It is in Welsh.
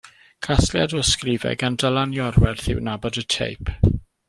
Casgliad o ysgrifau gan Dylan Iorwerth yw Nabod y Teip.